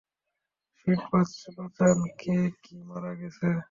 Sheet বাঁচান সে কি মারা গেছে?